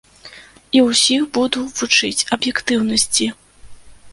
І усіх буду вучыць аб'ектыўнасці.